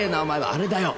あれだよ。